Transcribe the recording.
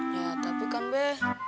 ya tapi kan be